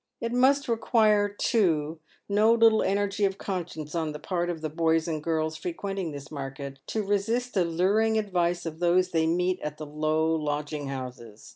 It must require, too, no little energy of conscience on the part of the boys and girls frequenting this market to resist the luring advice of those they meet at the low lodging houses.